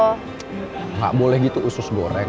tuh gak boleh gitu usus goreng